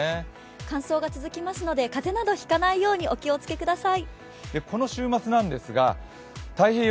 完走が続きますのでかぜなど引かないようにお気をつけください。